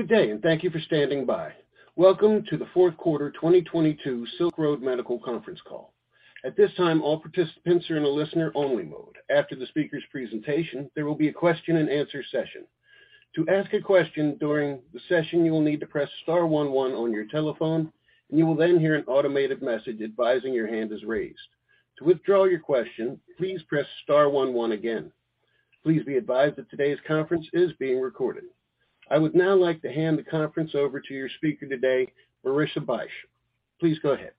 Good day, thank you for standing by. Welcome to the Fourth Quarter 2022 Silk Road Medical Conference Call. At this time, all participants are in a listener-only mode. After the speakers' presentation, there will be a question-and-answer session. To ask a question during the session, you will need to press star one one on your telephone, and you will then hear an automated message advising your hand is raised. To withdraw your question, please press star one one again. Please be advised that today's conference is being recorded. I would now like to hand the conference over to your speaker today, Marissa Bych. Please go ahead.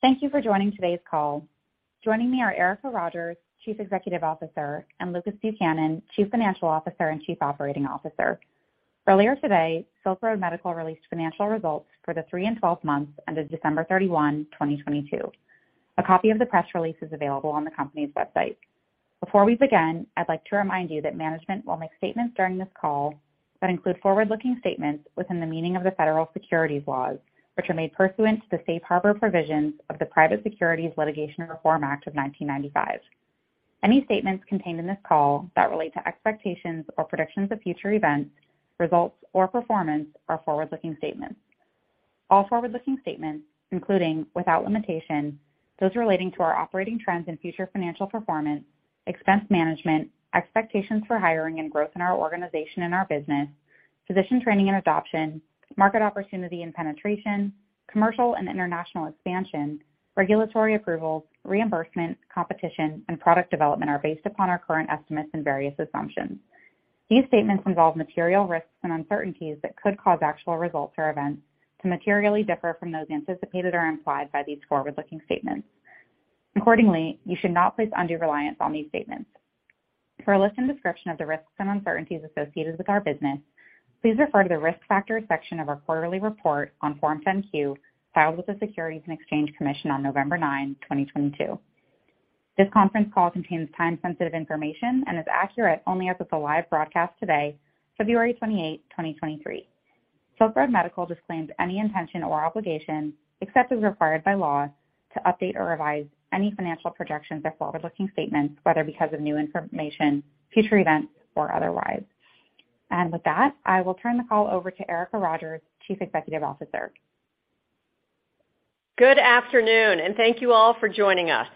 Thank you for joining today's call. Joining me are Erica Rogers, Chief Executive Officer, and Lucas Buchanan, Chief Financial Officer and Chief Operating Officer. Earlier today, Silk Road Medical released financial results for the three and 12 months ended December 31, 2022. A copy of the press release is available on the company's website. Before we begin, I'd like to remind you that management will make statements during this call that include forward-looking statements within the meaning of the federal securities laws, which are made pursuant to the Safe Harbor provisions of the Private Securities Litigation Reform Act of 1995. Any statements contained in this call that relate to expectations or predictions of future events, results, or performance are forward-looking statements. All forward-looking statements, including, without limitation, those relating to our operating trends and future financial performance, expense management, expectations for hiring and growth in our organization and our business, physician training and adoption, market opportunity and penetration, commercial and international expansion, regulatory approvals, reimbursement, competition, and product development, are based upon our current estimates and various assumptions. These statements involve material risks and uncertainties that could cause actual results or events to materially differ from those anticipated or implied by these forward-looking statements. Accordingly, you should not place undue reliance on these statements. For a list and description of the risks and uncertainties associated with our business, please refer to the Risk Factors section of our quarterly report on Form 10-Q, filed with the Securities and Exchange Commission on November 9, 2022. This conference call contains time-sensitive information and is accurate only as of the live broadcast today, February 28, 2023. Silk Road Medical disclaims any intention or obligation, except as required by law, to update or revise any financial projections or forward-looking statements, whether because of new information, future events, or otherwise. With that, I will turn the call over to Erica Rogers, Chief Executive Officer. Good afternoon, and thank you all for joining us.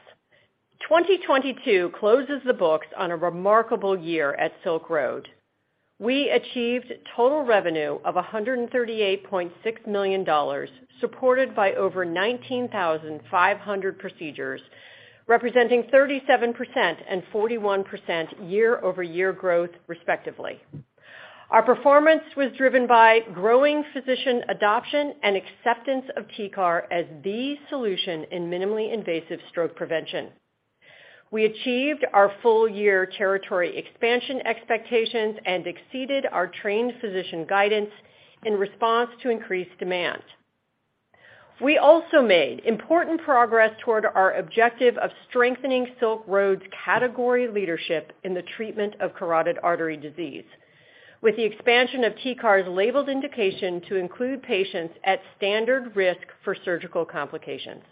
2022 closes the books on a remarkable year at Silk Road. We achieved total revenue of $138.6 million, supported by over 19,500 procedures, representing 37% and 41% year-over-year growth, respectively. Our performance was driven by growing physician adoption and acceptance of TCAR as the solution in minimally invasive stroke prevention. We achieved our full year territory expansion expectations and exceeded our trained physician guidance in response to increased demand. We also made important progress toward our objective of strengthening Silk Road's category leadership in the treatment of carotid artery disease, with the expansion of TCAR's labeled indication to include patients at standard risk for surgical complications.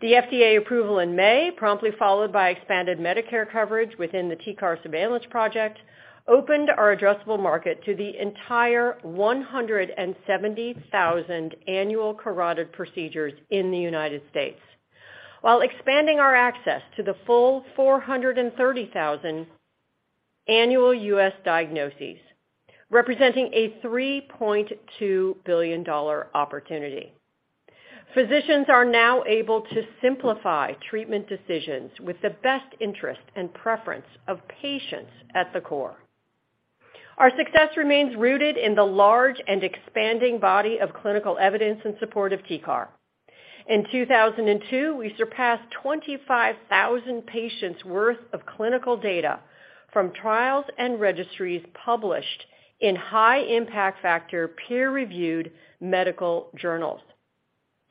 The FDA approval in May, promptly followed by expanded Medicare coverage within the TCAR Surveillance Project, opened our addressable market to the entire 170,000 annual carotid procedures in the U.S., while expanding our access to the full 430,000 annual U.S. diagnoses, representing a $3.2 billion opportunity. Physicians are now able to simplify treatment decisions with the best interest and preference of patients at the core. Our success remains rooted in the large and expanding body of clinical evidence in support of TCAR. In 2002, we surpassed 25,000 patients' worth of clinical data from trials and registries published in high impact factor, peer-reviewed medical journals.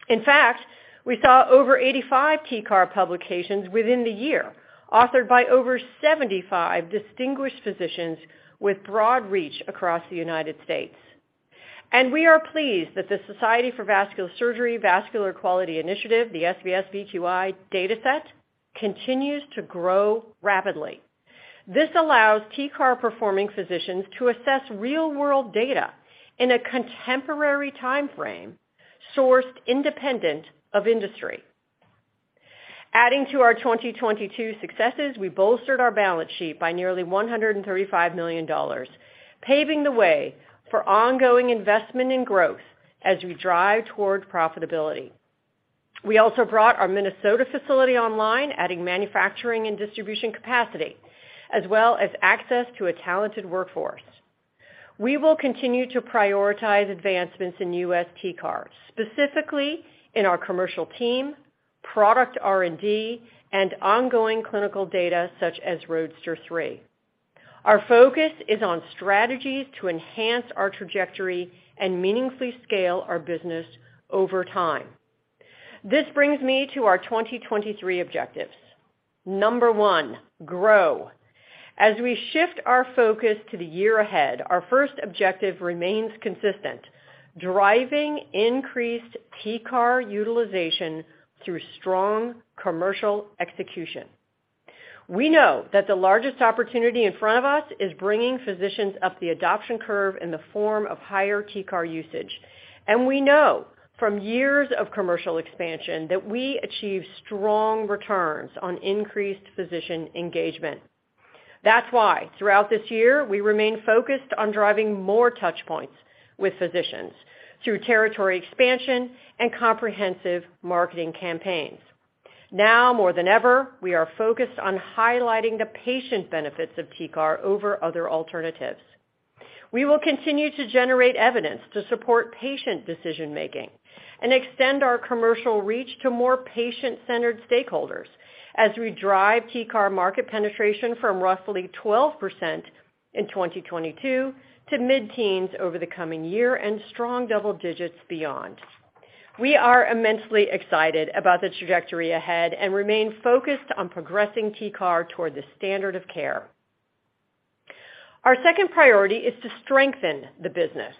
In fact, we saw over 85 TCAR publications within the year, authored by over 75 distinguished physicians with broad reach across the United States. We are pleased that the Society for Vascular Surgery Vascular Quality Initiative, the SVS VQI data set, continues to grow rapidly. This allows TCAR-performing physicians to assess real-world data in a contemporary timeframe, sourced independent of industry. Adding to our 2022 successes, we bolstered our balance sheet by nearly $135 million, paving the way for ongoing investment and growth as we drive toward profitability. We also brought our Minnesota facility online, adding manufacturing and distribution capacity, as well as access to a talented workforce. We will continue to prioritize advancements in U.S. TCAR, specifically in our commercial team, product R&D, and ongoing clinical data such as ROADSTER 3. Our focus is on strategies to enhance our trajectory and meaningfully scale our business over time. This brings me to our 2023 objectives. Number one, grow. As we shift our focus to the year ahead, our first objective remains consistent, driving increased TCAR utilization through strong commercial execution. We know that the largest opportunity in front of us is bringing physicians up the adoption curve in the form of higher TCAR usage. We know from years of commercial expansion that we achieve strong returns on increased physician engagement. That's why throughout this year, we remain focused on driving more touch points with physicians through territory expansion and comprehensive marketing campaigns. Now more than ever, we are focused on highlighting the patient benefits of TCAR over other alternatives. We will continue to generate evidence to support patient decision-making and extend our commercial reach to more patient-centered stakeholders as we drive TCAR market penetration from roughly 12% in 2022 to mid-teens over the coming year and strong double digits beyond. We are immensely excited about the trajectory ahead and remain focused on progressing TCAR toward the standard of care. Our second priority is to strengthen the business.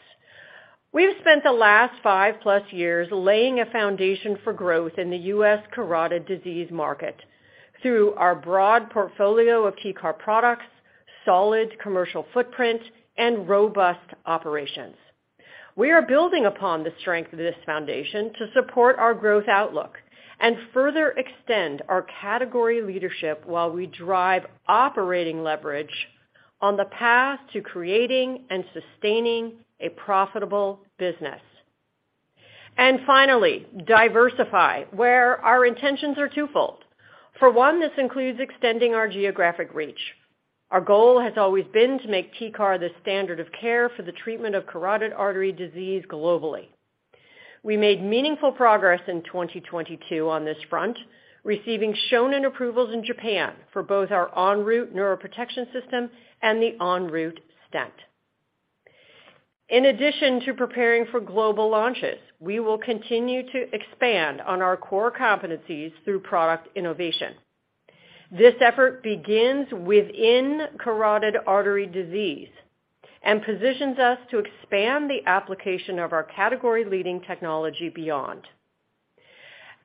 We've spent the last 5+ years laying a foundation for growth in the U.S. carotid disease market through our broad portfolio of TCAR products, solid commercial footprint, and robust operations. We are building upon the strength of this foundation to support our growth outlook and further extend our category leadership while we drive operating leverage on the path to creating and sustaining a profitable business. Finally, diversify, where our intentions are twofold. For one, this includes extending our geographic reach. Our goal has always been to make TCAR the standard of care for the treatment of carotid artery disease globally. We made meaningful progress in 2022 on this front, receiving Shonin approvals in Japan for both our ENROUTE Transcarotid Neuroprotection System and the ENROUTE Transcarotid Stent System. In addition to preparing for global launches, we will continue to expand on our core competencies through product innovation. This effort begins within carotid artery disease and positions us to expand the application of our category-leading technology beyond.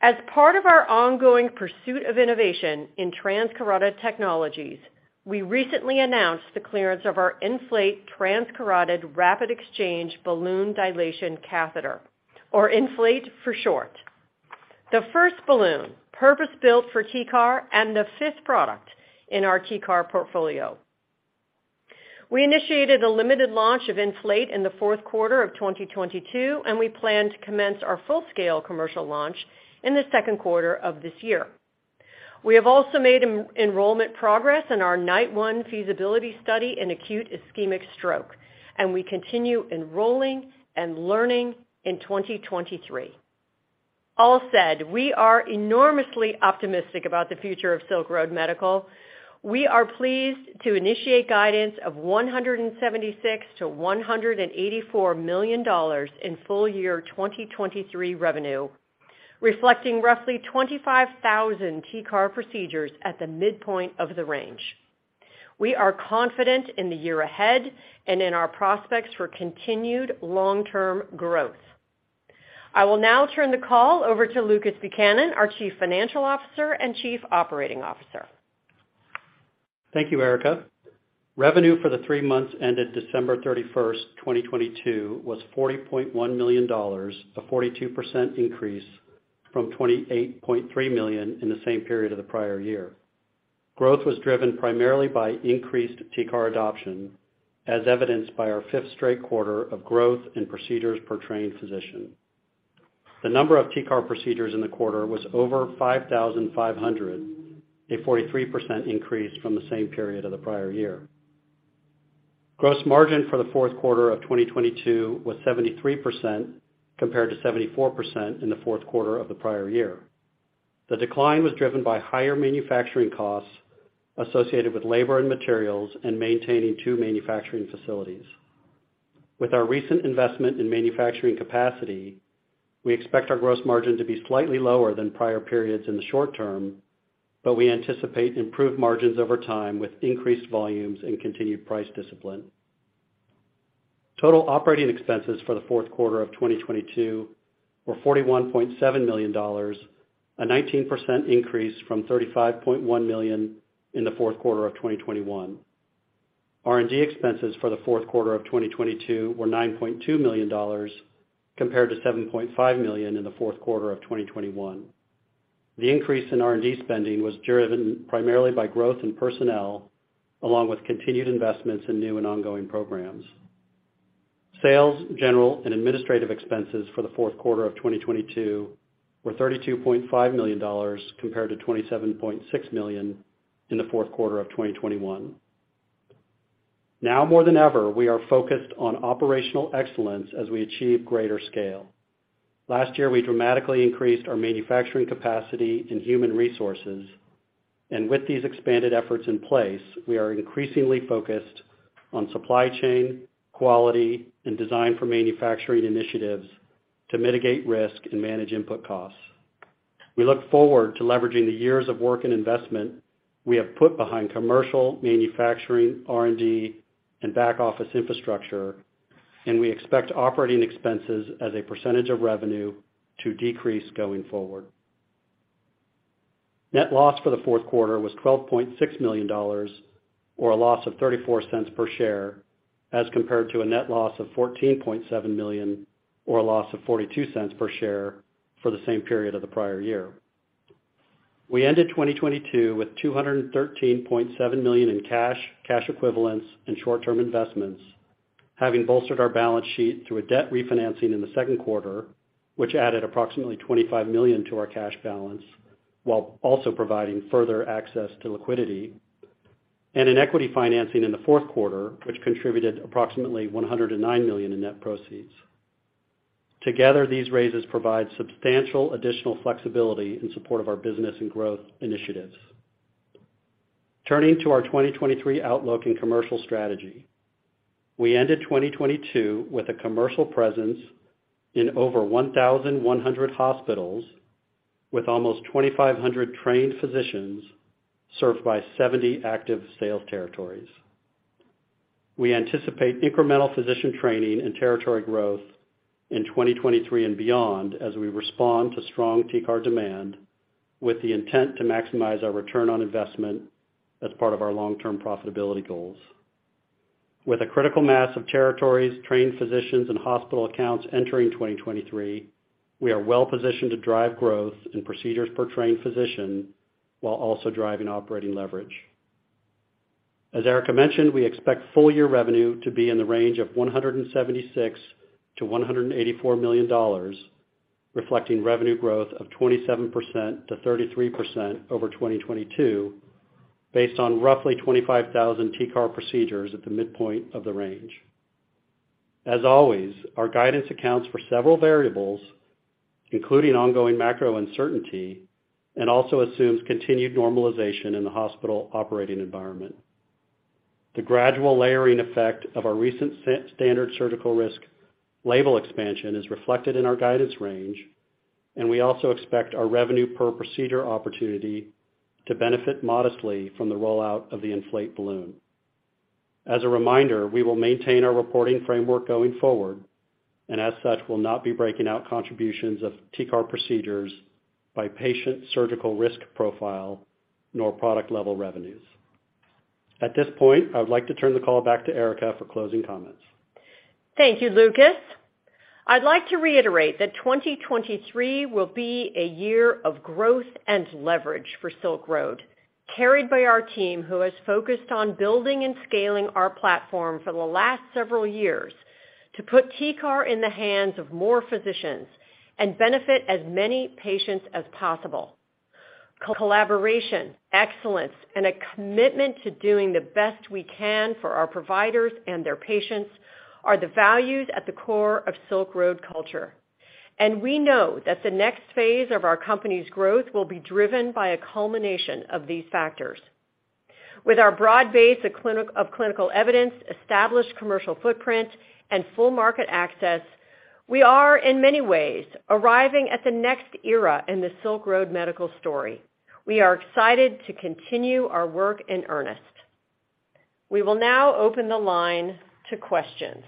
As part of our ongoing pursuit of innovation in Transcarotid technologies, we recently announced the clearance of our ENFLATE Transcarotid Rapid Exchange Balloon Dilation Catheter, or ENFLATE for short. The first balloon purpose-built for TCAR and the fifth product in our TCAR portfolio. We initiated a limited launch of ENFLATE in the fourth quarter of 2022, and we plan to commence our full-scale commercial launch in the second quarter of this year. We have also made enrollment progress in our NITE 1 Study in acute ischemic stroke, we continue enrolling and learning in 2023. All said, we are enormously optimistic about the future of Silk Road Medical. We are pleased to initiate guidance of $176 million-$184 million in full year 2023 revenue, reflecting roughly 25,000 TCAR procedures at the midpoint of the range. We are confident in the year ahead and in our prospects for continued long-term growth. I will now turn the call over to Lucas Buchanan, our Chief Financial Officer and Chief Operating Officer. Thank you, Erica. Revenue for the three months ended December 31st, 2022 was $40.1 million, a 42% increase from $28.3 million in the same period of the prior year. Growth was driven primarily by increased TCAR adoption, as evidenced by our fifth straight quarter of growth in procedures per trained physician. The number of TCAR procedures in the quarter was over 5,500, a 43% increase from the same period of the prior year. Gross margin for the fourth quarter of 2022 was 73% compared to 74% in the fourth quarter of the prior year. The decline was driven by higher manufacturing costs associated with labor and materials and maintaining two manufacturing facilities. With our recent investment in manufacturing capacity, we expect our gross margin to be slightly lower than prior periods in the short term. We anticipate improved margins over time with increased volumes and continued price discipline. Total operating expenses for the fourth quarter of 2022 were $41.7 million, a 19% increase from $35.1 million in the fourth quarter of 2021. R&D expenses for the fourth quarter of 2022 were $9.2 million compared to $7.5 million in the fourth quarter of 2021. The increase in R&D spending was driven primarily by growth in personnel, along with continued investments in new and ongoing programs. Sales, general, and administrative expenses for the fourth quarter of 2022 were $32.5 million compared to $27.6 million in the fourth quarter of 2021. Now more than ever, we are focused on operational excellence as we achieve greater scale. Last year, we dramatically increased our manufacturing capacity in human resources. With these expanded efforts in place, we are increasingly focused on supply chain, quality, and design for manufacturing initiatives to mitigate risk and manage input costs. We look forward to leveraging the years of work and investment we have put behind commercial, manufacturing, R&D, and back-office infrastructure. We expect operating expenses as a percentage of revenue to decrease going forward. Net loss for the fourth quarter was $12.6 million or a loss of $0.34 per share as compared to a net loss of $14.7 million or a loss of $0.42 per share for the same period of the prior year. We ended 2022 with $213.7 million in cash equivalents and short-term investments, having bolstered our balance sheet through a debt refinancing in the second quarter, which added approximately $25 million to our cash balance while also providing further access to liquidity and an equity financing in the fourth quarter, which contributed approximately $109 million in net proceeds. Together, these raises provide substantial additional flexibility in support of our business and growth initiatives. Turning to our 2023 outlook and commercial strategy. We ended 2022 with a commercial presence in over 1,100 hospitals with almost 2,500 trained physicians served by 70 active sales territories. We anticipate incremental physician training and territory growth in 2023 and beyond as we respond to strong TCAR demand with the intent to maximize our ROI as part of our long-term profitability goals. With a critical mass of territories, trained physicians and hospital accounts entering 2023, we are well positioned to drive growth in procedures per trained physician while also driving operating leverage. As Erica mentioned, we expect full year revenue to be in the range of $176 million-$184 million, reflecting revenue growth of 27%-33% over 2022, based on roughly 25,000 TCAR procedures at the midpoint of the range. As always, our guidance accounts for several variables, including ongoing macro uncertainty and also assumes continued normalization in the hospital operating environment. The gradual layering effect of our recent standard surgical risk label expansion is reflected in our guidance range. We also expect our revenue per procedure opportunity to benefit modestly from the rollout of the ENFLATE balloon. As a reminder, we will maintain our reporting framework going forward, and as such, will not be breaking out contributions of TCAR procedures by patient surgical risk profile nor product level revenues. At this point, I would like to turn the call back to Erica for closing comments. Thank you, Lucas. I'd like to reiterate that 2023 will be a year of growth and leverage for Silk Road, carried by our team who has focused on building and scaling our platform for the last several years to put TCAR in the hands of more physicians and benefit as many patients as possible. Collaboration, excellence, and a commitment to doing the best we can for our providers and their patients are the values at the core of Silk Road culture, and we know that the next phase of our company's growth will be driven by a culmination of these factors. With our broad base of clinical evidence, established commercial footprint and full market access, we are in many ways arriving at the next era in the Silk Road Medical story. We are excited to continue our work in earnest. We will now open the line to questions.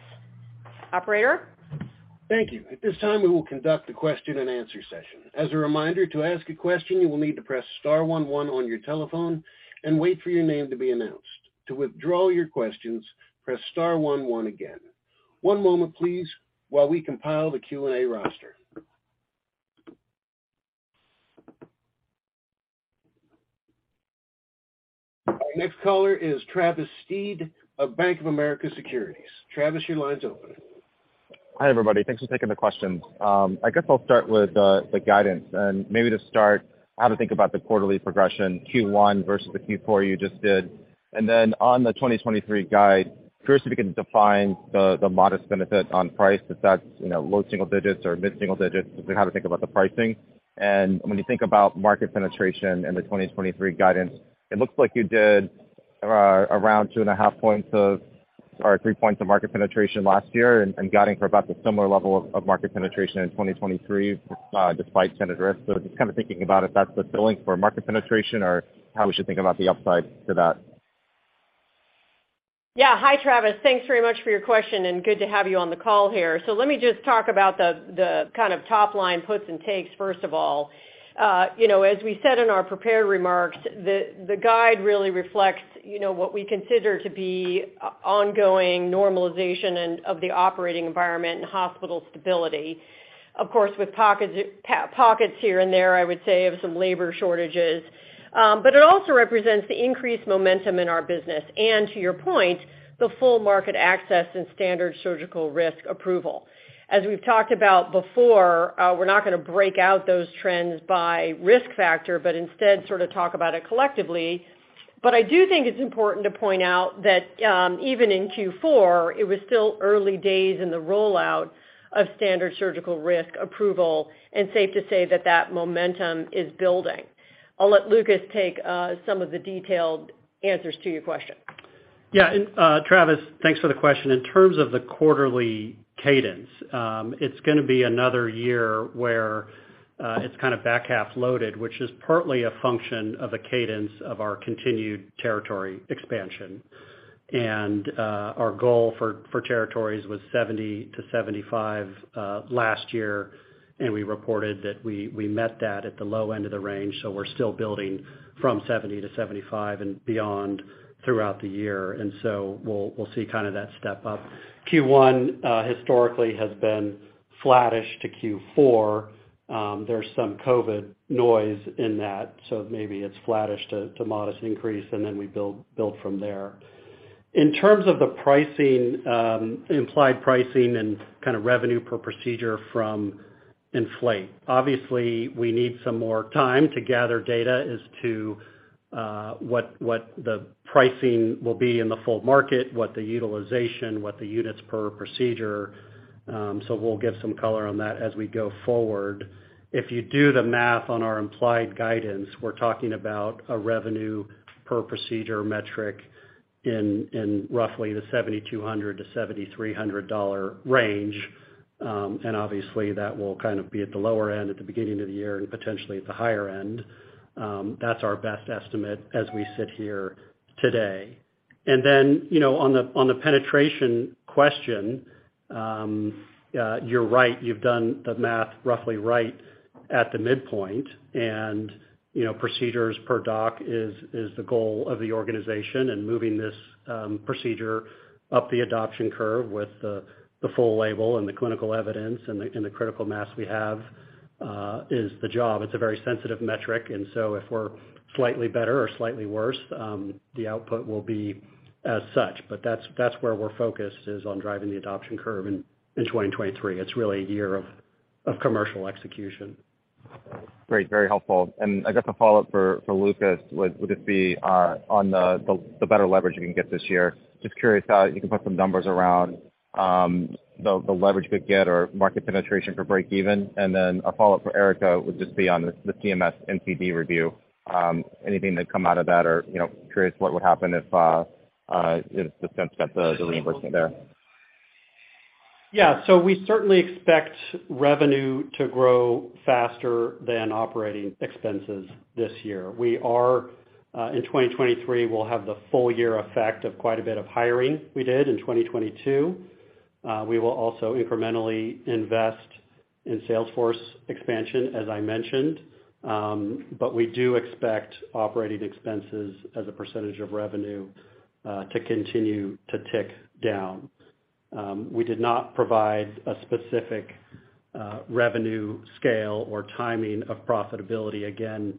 Operator? Thank you. At this time, we will conduct a question-and-answer session. As a reminder, to ask a question, you will need to press star one one on your telephone and wait for your name to be announced. To withdraw your questions, press star one one again. One moment please while we compile the Q&A roster. Our next caller is Travis Steed of Bank of America Securities. Travis, your line's open. Hi, everybody. Thanks for taking the questions. I guess I'll start with the guidance and maybe to start how to think about the quarterly progression Q1 versus the Q4 you just did. On the 2023 guide, curious if you can define the modest benefit on price, if that's, you know, low single digits or mid-single digits, if we have to think about the pricing. When you think about market penetration in the 2023 guidance, it looks like you did around 2.5 points of or 3 points of market penetration last year, guiding for about the similar level of market penetration in 2023 despite tenant risk. Just kind of thinking about if that's the ceiling for market penetration or how we should think about the upside to that. Yeah. Hi, Travis. Thanks very much for your question and good to have you on the call here. Let me just talk about the kind of top line puts and takes first of all. you know, as we said in our prepared remarks, the guide really reflects, you know, what we consider to be ongoing normalization and of the operating environment and hospital stability. Of course, with pockets here and there, I would say of some labor shortages. But it also represents the increased momentum in our business and to your point, the full market access and standard surgical risk approval. As we've talked about before, we're not gonna break out those trends by risk factor, but instead sort of talk about it collectively. I do think it's important to point out that, even in Q4, it was still early days in the rollout of standard surgical risk approval, and safe to say that that momentum is building. I'll let Lucas take some of the detailed answers to your question. Yeah. Travis, thanks for the question. In terms of the quarterly cadence, it's gonna be another year where it's kind of back half loaded, which is partly a function of the cadence of our continued territory expansion. Our goal for territories was 70-75 last year, and we reported that we met that at the low end of the range. We're still building from 70-75 and beyond throughout the year. We'll see kind of that step up. Q1 historically has been flattish to Q4. There's some COVID noise in that, so maybe it's flattish to modest increase, and then we build from there. In terms of the pricing, implied pricing and kind of revenue per procedure from ENFLATE. Obviously, we need some more time to gather data as to what the pricing will be in the full market, what the utilization, what the units per procedure, we'll give some color on that as we go forward. If you do the math on our implied guidance, we're talking about a revenue per procedure metric in roughly the $7,200-$7,300 range. Obviously that will kind of be at the lower end at the beginning of the year and potentially at the higher end. That's our best estimate as we sit here today. You know, on the penetration question, you're right. You've done the math roughly right at the midpoint. You know, procedures per doc is the goal of the organization and moving this procedure up the adoption curve with the full label and the clinical evidence and the critical mass we have is the job. It's a very sensitive metric. So if we're slightly better or slightly worse, the output will be as such. That's where we're focused is on driving the adoption curve in 2023. It's really a year of commercial execution. Great. Very helpful. I guess a follow-up for Lucas would just be on the better leverage you can get this year. Just curious how you can put some numbers around the leverage could get or market penetration for breakeven. A follow-up for Erica would just be on the CMS NCD review. Anything that come out of that or, you know, curious what would happen if Silk Road got the reimbursement there. We certainly expect revenue to grow faster than operating expenses this year. We are in 2023, we'll have the full year effect of quite a bit of hiring we did in 2022. We will also incrementally invest in salesforce expansion, as I mentioned. We do expect operating expenses as a percentage of revenue to continue to tick down. We did not provide a specific revenue scale or timing of profitability. Again,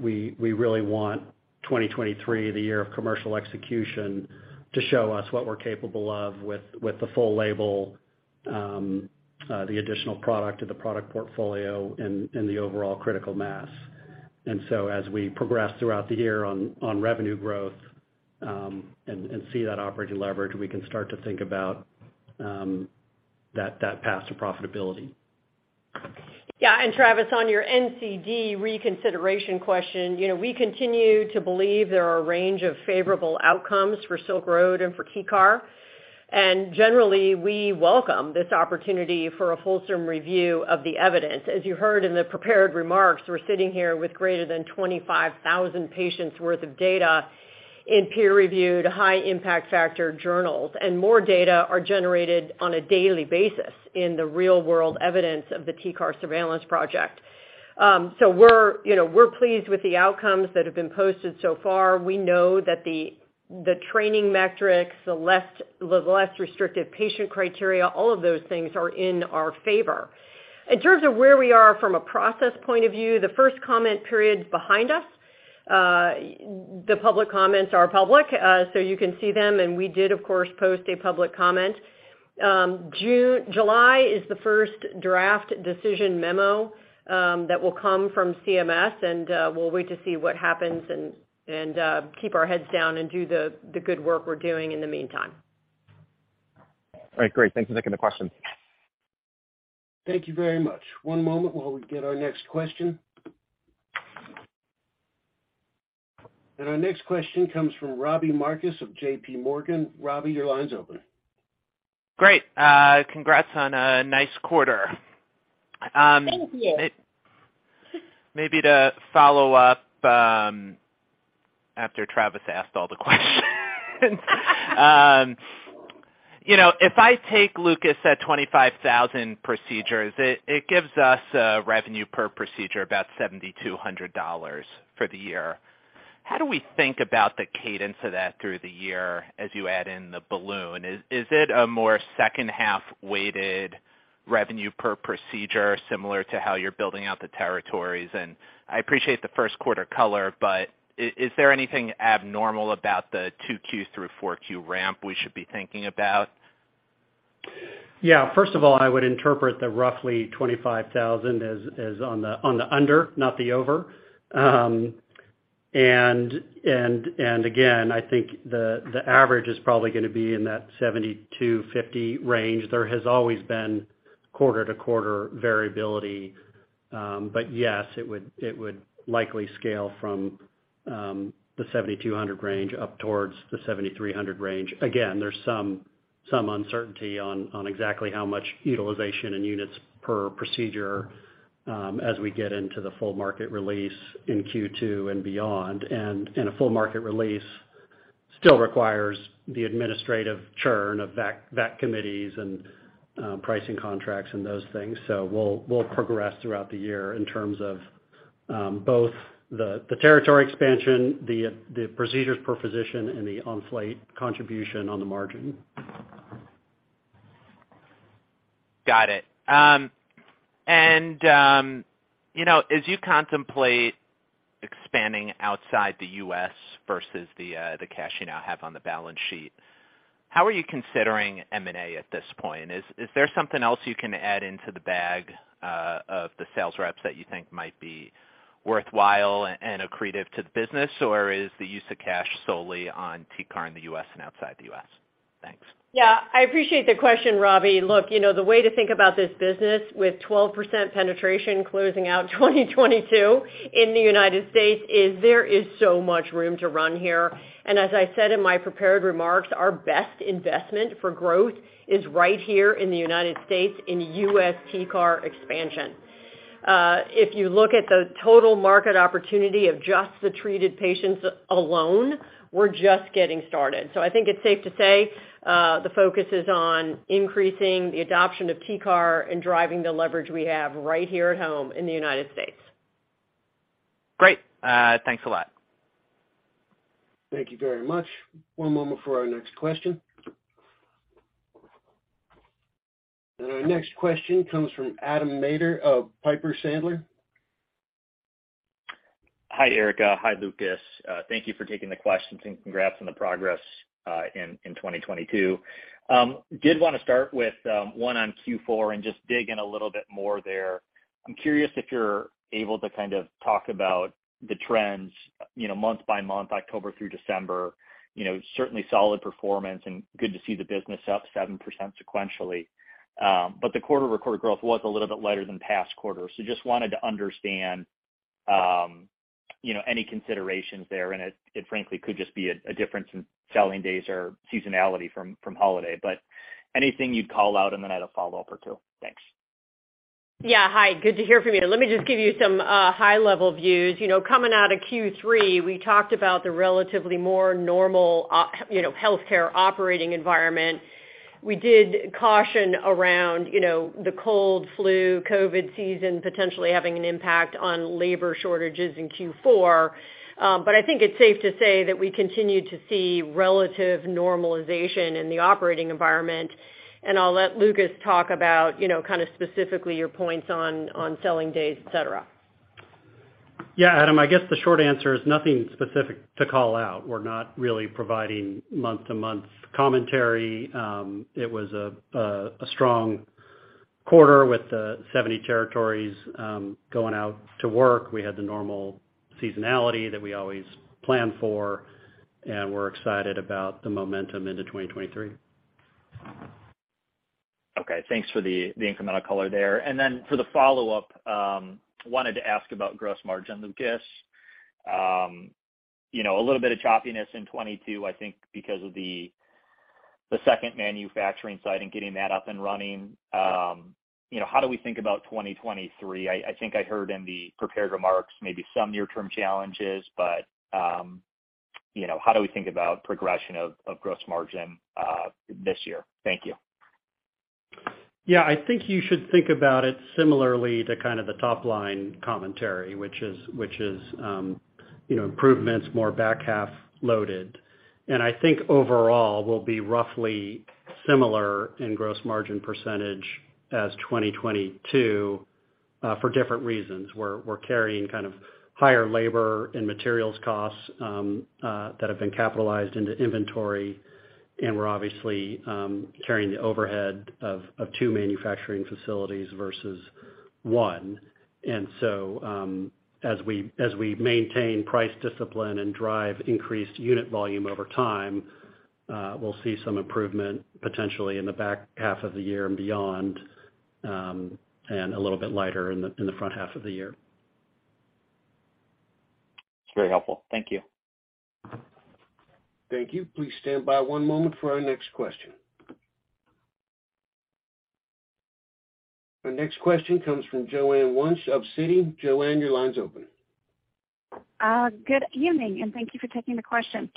we really want 2023, the year of commercial execution, to show us what we're capable of with the full label, the additional product to the product portfolio and the overall critical mass. As we progress throughout the year on revenue growth, and see that operating leverage, we can start to think about that path to profitability. Yeah. Travis, on your NCD reconsideration question, you know, we continue to believe there are a range of favorable outcomes for Silk Road and for TCAR. Generally, we welcome this opportunity for a wholesome review of the evidence. As you heard in the prepared remarks, we're sitting here with greater than 25,000 patients worth of data in peer-reviewed high impact factor journals, and more data are generated on a daily basis in the real-world evidence of the TCAR Surveillance Project. We're, you know, we're pleased with the outcomes that have been posted so far. We know that the training metrics, the less restrictive patient criteria, all of those things are in our favor. In terms of where we are from a process point of view, the first comment period's behind us. The public comments are public, so you can see them, and we did, of course, post a public comment. July is the first draft decision memo that will come from CMS, and we'll wait to see what happens and keep our heads down and do the good work we're doing in the meantime. All right. Great. Thanks for taking the question. Thank you very much. One moment while we get our next question. Our next question comes from Robbie Marcus of JPMorgan. Robbie, your line's open. Great. Congrats on a nice quarter. Thank you. Maybe to follow up, after Travis asked all the questions. You know, if I take Lucas at 25,000 procedures, it gives us a revenue per procedure about $7,200 for the year. How do we think about the cadence of that through the year as you add in the balloon? Is it a more second half weighted revenue per procedure similar to how you're building out the territories? I appreciate the first quarter color, but is there anything abnormal about the 2Q through 4Q ramp we should be thinking about? Yeah. First of all, I would interpret the roughly $25,000 as on the under, not the over. Again, I think the average is probably gonna be in that $7,250 range. There has always been quarter to quarter variability. Yes, it would likely scale from the $7,200 range up towards the $7,300 range. Again, there's some uncertainty on exactly how much utilization and units per procedure as we get into the full market release in Q2 and beyond. A full market release still requires the administrative churn of VAC committees and pricing contracts and those things. We'll progress throughout the year in terms of both the territory expansion, the procedures per physician and the ENFLATE contribution on the margin. Got it. You know, as you contemplate expanding outside the U.S. versus the cash you now have on the balance sheet, how are you considering M&A at this point? Is, is there something else you can add into the bag of the sales reps that you think might be worthwhile and accretive to the business? Or is the use of cash solely on TCAR in the U.S. and outside the U.S.? Thanks. Yeah. I appreciate the question, Robbie Marcus. Look, you know, the way to think about this business with 12% penetration closing out 2022 in the U.S. Is there is so much room to run here. As I said in my prepared remarks, our best investment for growth is right here in the United States in U.S. TCAR expansion. If you look at the total market opportunity of just the treated patients alone, we're just getting started. I think it's safe to say, the focus is on increasing the adoption of TCAR and driving the leverage we have right here at home in the U.S. Great. Thanks a lot. Thank you very much. One moment for our next question. Our next question comes from Adam Maeder of Piper Sandler. Hi, Erica. Hi, Lucas. Thank you for taking the questions, and congrats on the progress in 2022. Did wanna start with one on Q4 and just dig in a little bit more there. I'm curious if you're able to kind of talk about the trends, you know, month by month, October through December. You know, certainly solid performance and good to see the business up 7% sequentially. The quarter-over-quarter growth was a little bit lighter than past quarters. Just wanted to understand, you know, any considerations there, and it frankly could just be a difference in selling days or seasonality from holiday. Anything you'd call out, then I had a follow-up or two. Thanks. Yeah. Hi. Good to hear from you. Let me just give you some high level views. You know, coming out of Q3, we talked about the relatively more normal you know, healthcare operating environment. We did caution around, you know, the cold, flu, COVID season potentially having an impact on labor shortages in Q4. I think it's safe to say that we continue to see relative normalization in the operating environment. I'll let Lucas talk about, you know, kinda specifically your points on selling days, et cetera. Adam, I guess the short answer is nothing specific to call out. We're not really providing month-to-month commentary. It was a strong quarter with 70 territories going out to work. We had the normal seasonality that we always plan for, and we're excited about the momentum into 2023. Okay. Thanks for the incremental color there. For the follow-up, wanted to ask about gross margin, Lucas. You know, a little bit of choppiness in 2022, I think because of the second manufacturing site and getting that up and running. You know, how do we think about 2023? I think I heard in the prepared remarks maybe some near-term challenges, you know, how do we think about progression of gross margin this year? Thank you. I think you should think about it similarly to kind of the top line commentary, which is, you know, improvements more back half loaded. I think overall will be roughly similar in gross margin percentage as 2022, for different reasons. We're carrying kind of higher labor and materials costs, that have been capitalized into inventory, and we're obviously, carrying the overhead of two manufacturing facilities versus one. As we maintain price discipline and drive increased unit volume over time, we'll see some improvement potentially in the back half of the year and beyond, and a little bit lighter in the, in the front half of the year. That's very helpful. Thank you. Thank you. Please stand by one moment for our next question. Our next question comes from Joanne Wuensch of Citi. Joanne, your line's open. Good evening, and thank you for taking the question.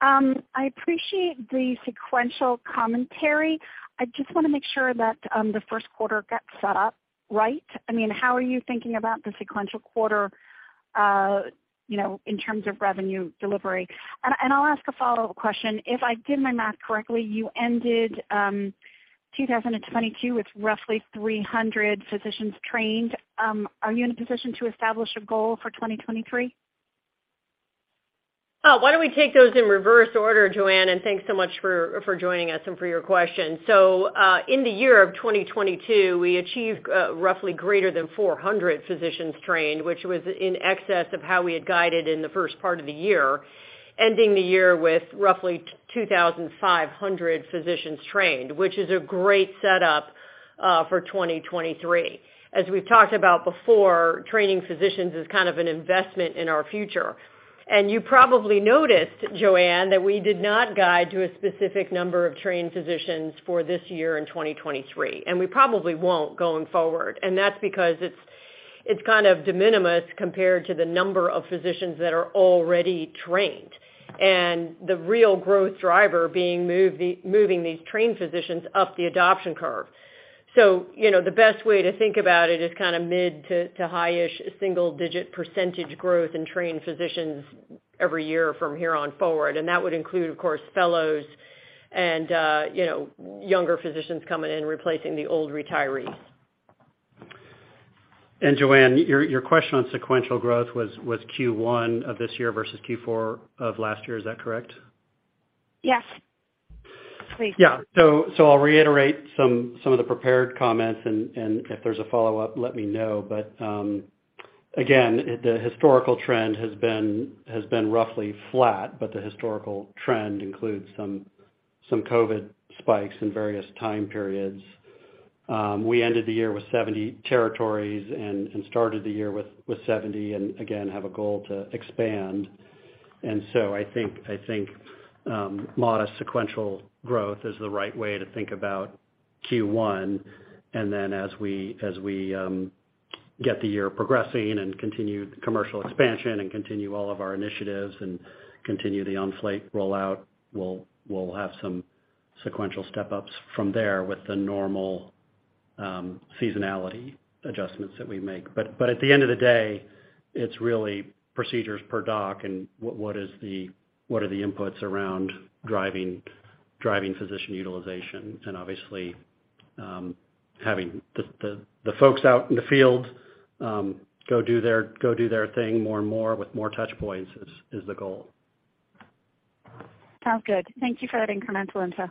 I appreciate the sequential commentary. I just wanna make sure that the first quarter got set up right. I mean, how are you thinking about the sequential quarter, you know, in terms of revenue delivery? I'll ask a follow-up question. If I did my math correctly, you ended 2022 with roughly 300 physicians trained. Are you in a position to establish a goal for 2023? Why don't we take those in reverse order, Joanne? Thanks so much for joining us and for your question. In the year of 2022, we achieved roughly greater than 400 physicians trained, which was in excess of how we had guided in the first part of the year, ending the year with roughly 2,500 physicians trained, which is a great setup for 2023. As we've talked about before, training physicians is kind of an investment in our future. You probably noticed, Joanne, that we did not guide to a specific number of trained physicians for this year in 2023, and we probably won't going forward. That's because it's kind of de minimis compared to the number of physicians that are already trained. The real growth driver being moving these trained physicians up the adoption curve. You know, the best way to think about it is kind of mid to high-ish single digit percentage growth in trained physicians every year from here on forward. That would include, of course, fellows and, you know, younger physicians coming in, replacing the old retirees. Joanne, your question on sequential growth was Q1 of this year versus Q4 of last year. Is that correct? Yes, please. Yeah. I'll reiterate some of the prepared comments, and if there's a follow-up, let me know. Again, the historical trend has been roughly flat, but the historical trend includes some COVID spikes in various time periods. We ended the year with 70 territories and started the year with 70 and again, have a goal to expand. I think modest sequential growth is the right way to think about Q1. Then as we get the year progressing and continue commercial expansion and continue all of our initiatives and continue the ENFLATE rollout, we'll have some sequential step-ups from there with the normal seasonality adjustments that we make. At the end of the day, it's really procedures per doc and what is the... What are the inputs around driving physician utilization. Obviously, having the folks out in the field, go do their thing more and more with more touch points is the goal. Sounds good. Thank you for that incremental insight.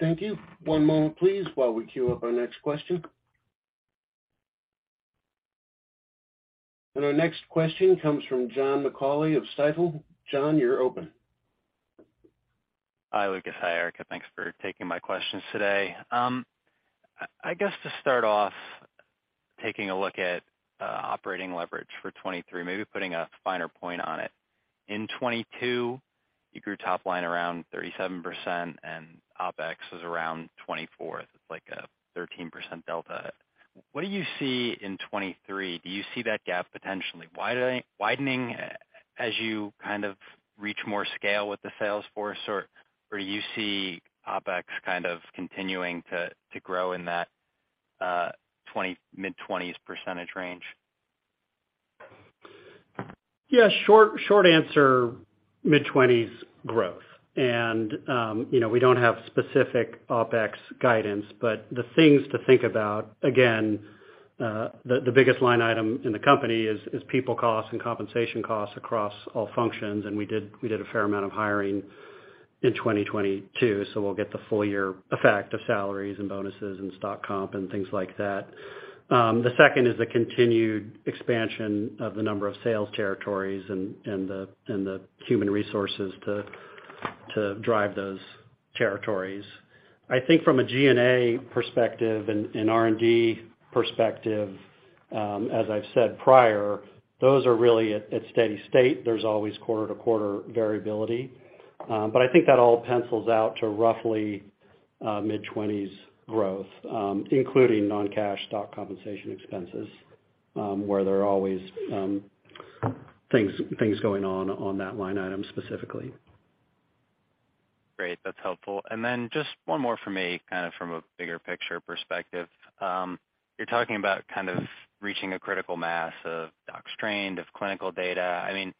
Thank you. One moment please, while we queue up our next question. Our next question comes from John McCauley of Stifel. John, you're open. Hi, Lucas. Hi, Erica. Thanks for taking my questions today. I guess to start off taking a look at operating leverage for 2023, maybe putting a finer point on it. In 2022, you grew top line around 37% and OpEx was around 24%. It's like a 13% delta. What do you see in 2023? Do you see that gap potentially widening as you kind of reach more scale with the sales force? Or do you see OpEx kind of continuing to grow in that mid-20s percentage range? Yeah, short answer, mid-20s growth. You know, we don't have specific OpEx guidance. The things to think about, again, the biggest line item in the company is people costs and compensation costs across all functions. We did a fair amount of hiring in 2022. We'll get the full year effect of salaries and bonuses and stock comp and things like that. The second is the continued expansion of the number of sales territories and the human resources to drive those territories. I think from a G&A perspective and R&D perspective, as I've said prior, those are really at steady state. There's always quarter-to-quarter variability. I think that all pencils out to roughly mid-20s growth, including non-cash stock compensation expenses, where there are always things going on on that line item specifically. Great. That's helpful. Just one more from me, kind of from a bigger picture perspective. You're talking about kind of reaching a critical mass of docs trained, of clinical data. I mean,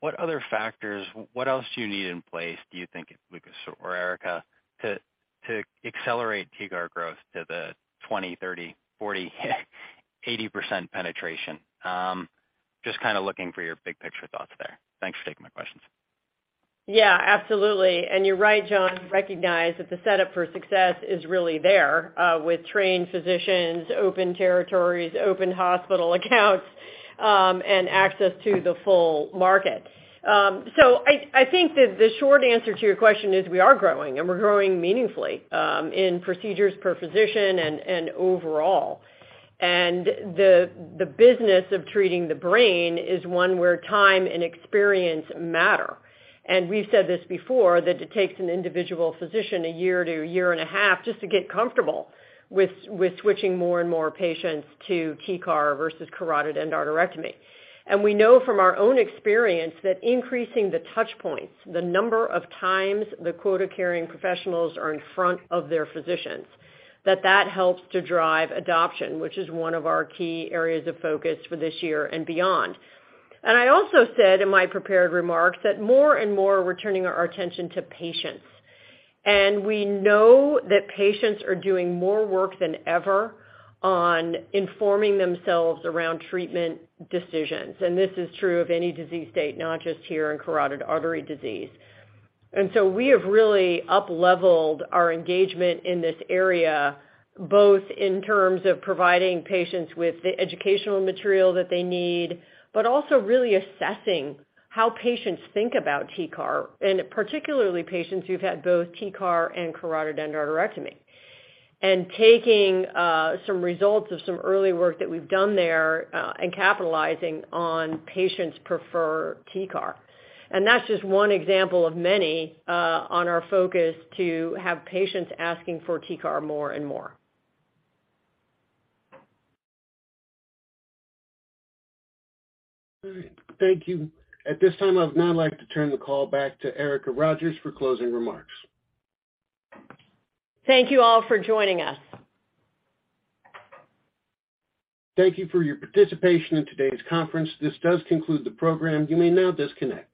what other factors... what else do you need in place, do you think, Lucas or Erica, to accelerate TCAR growth to the 20%, 30%, 40%, 80% penetration? Just kind of looking for your big picture thoughts there. Thanks for taking my questions. Yeah, absolutely. You're right, Mathew, recognize that the setup for success is really there with trained physicians, open territories, open hospital accounts, and access to the full market. I think that the short answer to your question is we are growing, and we're growing meaningfully in procedures per physician and overall. The business of treating the brain is one where time and experience matter. We've said this before, that it takes an individual physician a year to a year and a half just to get comfortable with switching more and more patients to TCAR versus carotid endarterectomy. We know from our own experience that increasing the touch points, the number of times the quota-carrying professionals are in front of their physicians, that that helps to drive adoption, which is one of our key areas of focus for this year and beyond. I also said in my prepared remarks that more and more we're turning our attention to patients. We know that patients are doing more work than ever on informing themselves around treatment decisions. This is true of any disease state, not just here in carotid artery disease. We have really upleveled our engagement in this area, both in terms of providing patients with the educational material that they need, but also really assessing how patients think about TCAR, and particularly patients who've had both TCAR and carotid endarterectomy. Taking some results of some early work that we've done there, and capitalizing on patients prefer TCAR. That's just one example of many, on our focus to have patients asking for TCAR more and more. All right. Thank you. At this time, I'd now like to turn the call back to Erica Rogers for closing remarks. Thank you all for joining us. Thank you for your participation in today's conference. This does conclude the program. You may now disconnect.